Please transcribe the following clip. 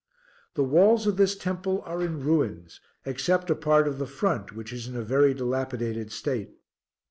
The walls of this temple are in ruins, except a part of the front which is in a very dilapidated state.